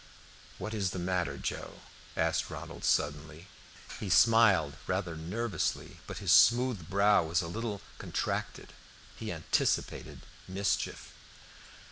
"What is the matter, Joe?" asked Ronald, suddenly. He smiled rather nervously, but his smooth brow was a little contracted. He anticipated mischief.